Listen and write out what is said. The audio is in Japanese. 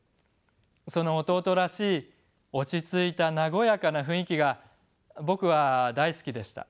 その弟らしい落ち着いた和やかな雰囲気が僕は大好きでした。